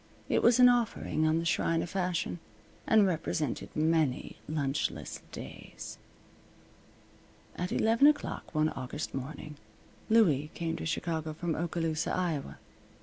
It was an offering on the shrine of Fashion, and represented many lunchless days. At eleven o'clock one August morning, Louie came to Chicago from Oskaloosa, Iowa.